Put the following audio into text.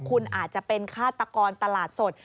คุณอาจจะเป็นฆาตกรตลาดสด